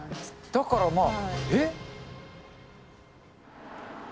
だからまぁ、えっ？